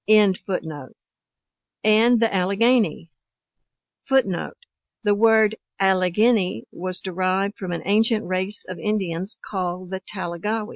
] and the Alleghany [Footnote: The word Alleghenny, was derived from an ancient race of Indians called "Tallegawe."